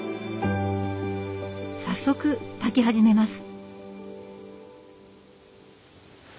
早速炊き始めます。